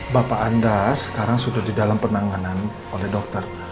bapak anda sekarang sudah di dalam penanganan oleh dokter